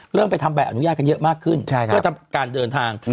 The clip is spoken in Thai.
ไปทำใบอนุญาตกันเยอะมากขึ้นเพื่อทำการเดินทาง